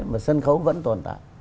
mà sân khấu vẫn tồn tại